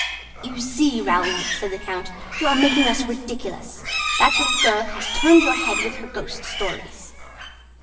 "You see, Raoul," said the count, "you are making us ridiculous! That little girl has turned your head with her ghost stories."